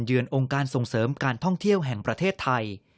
องค์การส่งเสริมการท่องเที่ยวแห่งประเทศไทย